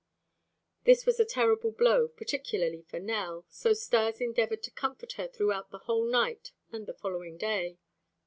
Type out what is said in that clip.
This was a terrible blow, particularly for Nell, so Stas endeavored to comfort her throughout the whole night and the following day.